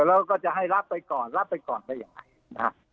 เราก็จะให้รับไปก่อนรับไปก่อนได้ยังไง